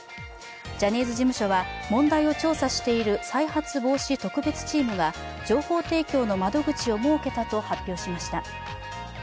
ジャニーズ事務所は問題を調査している再発防止特別チームが情報提供の窓口を設けたと発表しました。